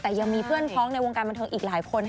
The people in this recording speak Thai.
แต่ยังมีเพื่อนพ้องในวงการบันเทิงอีกหลายคน